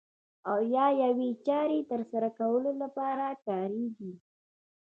او یا یوې چارې ترسره کولو لپاره کاریږي.